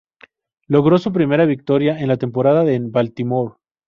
Logró su primera victoria en la temporada en Baltimore.